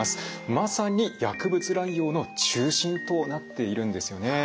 まさに薬物乱用の中心となっているんですよね。